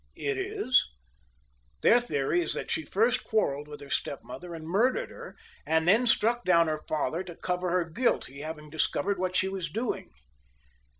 "It is. Their theory is that she first quarrelled with her stepmother and murdered her, and then struck down her father to cover her guilt, he having discovered what she was doing."